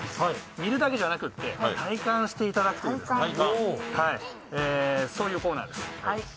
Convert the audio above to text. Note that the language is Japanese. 見るだけじゃなくて体感していただくというコーナーです。